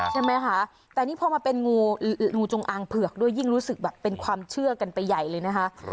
ใช่ไหมคะแต่นี่พอมาเป็นงูจงอางเผือกด้วยยิ่งรู้สึกแบบเป็นความเชื่อกันไปใหญ่เลยนะคะ